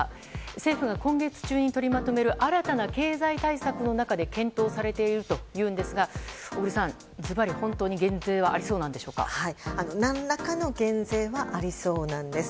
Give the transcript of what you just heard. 政府が今月中に取りまとめる新たな経済対策の中で検討されているというんですが小栗さん、ずばり本当に何らかの減税がありそうなんです。